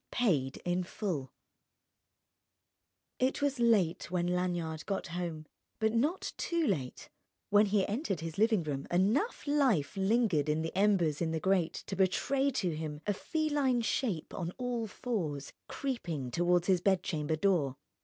IX PAID IN FULL It was late when Lanyard got home, but not too late: when he entered his living room enough life lingered in the embers in the grate to betray to him a feline shape on all fours creeping toward his bedchamber door.